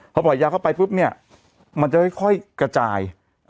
พอปล่อยยาเข้าไปปุ๊บเนี่ยมันจะค่อยกระจาย